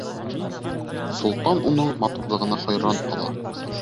Солтан уның матурлығына хайран ҡала.